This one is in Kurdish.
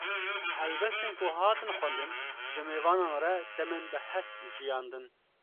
Helbestên ku hatin xwendin, ji mêvanan re demên bi hest jiyandin